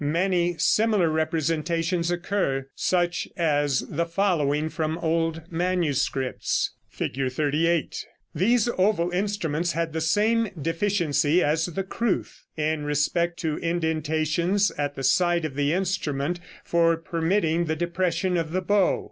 Many similar representations occur, such as the following from old manuscripts. [Illustration: Fig. 38.] These oval instruments had the same deficiency as the crwth, in respect to indentations at the side of the instrument, for permitting the depression of the bow.